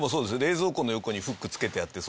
冷蔵庫の横にフック付けてあって。